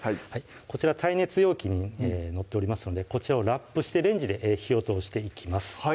こちら耐熱容器に載っておりますのでこちらをラップしてレンジで火を通していきます